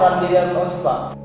pada pilihan osis pak